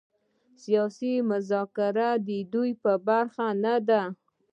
سیاسي مذاکره د دې برخه نه ده.